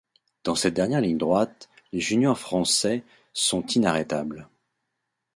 Dans cette dernière ligne droite, les Juniors français sont inarrêtables.